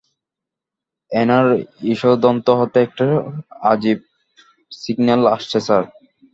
এনার ইসদন্ত হতে একটা আজিব সিগন্যাল আসছে, স্যার।